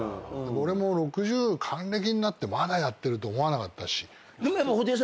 俺も還暦になってまだやってると思わなかったし。